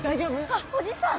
あっおじさん。